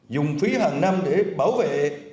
dùng phí hàng năm để bảo vệ